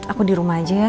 aku di rumah aja ya